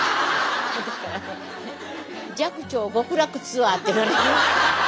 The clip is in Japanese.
寂聴極楽ツアーっていうのね。